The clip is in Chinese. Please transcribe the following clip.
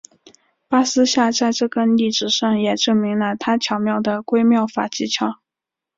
巴斯夏在这个例子上也证明了他巧妙的归谬法技巧。